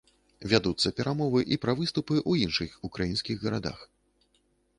Вядуцца перамовы і пра выступы ў іншых украінскіх гарадах.